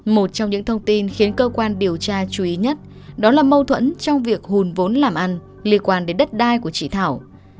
một trong những thông tin khiến cơ quan điều tra chú ý nhất đó là mâu thuẫn trong việc hùn vốn làm ăn liên quan đến đất đai của chị thảo